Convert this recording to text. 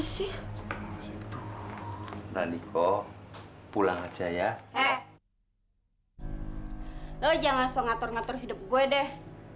lo jangan langsung ngatur ngatur hidup gue deh